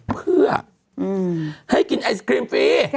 เพื่อให้กินไอศครีมฟรี